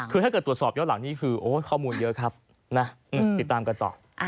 คือถ้าเกิดตรวจสอบย้อนหลังนี่คือข้อมูลเยอะครับนะติดตามกันต่อ